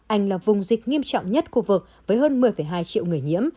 anh là vùng dịch nghiêm trọng nhất khu vực với hơn một mươi hai triệu người nhiễm